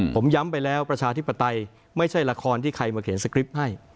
ผมย้ำไปแล้วประชาธิปไตยไม่ใช่ละครที่ใครมาเขียนสคริปต์ให้